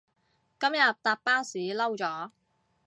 今日搭巴士嬲咗